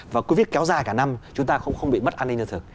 và covid kéo dài cả năm chúng ta không bị mất an ninh nhân thực